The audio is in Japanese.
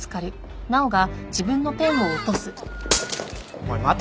おい待て！